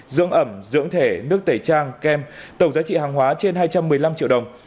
dưỡng ẩm dưỡng thể nước tẩy trang kem tổng giá trị hàng hóa trên hai trăm một mươi năm triệu đồng